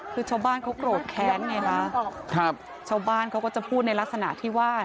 คือชาวบ้านเขาโกรธแค้นไงฮะครับชาวบ้านเขาก็จะพูดในลักษณะที่ว่า